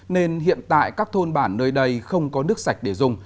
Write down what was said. nên hiện tại các thôn bản nơi đây không có nước sạch để dùng